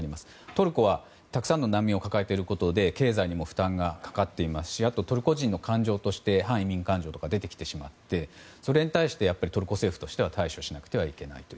トルコはたくさんの難民を抱えていることで経済にも負担がかかっていますしあとはトルコ人の感情として反移民感情が出てきてしまってそれに対してトルコ政府としては対処しなくてはいけない。